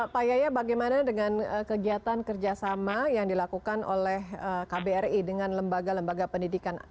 pak yaya bagaimana dengan kegiatan kerjasama yang dilakukan oleh kbri dengan lembaga lembaga pendidikan